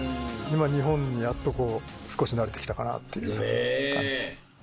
日本にやっとこう少し慣れて来たかなっていうような感じです。